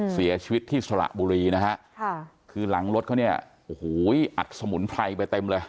เสียชีวิตที่สระบุรีนะฮะค่ะคือหลังรถเขาเนี่ยโอ้โหอัดสมุนไพรไปเต็มเลย